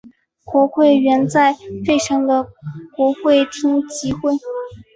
国会原在费城的国会厅集会了。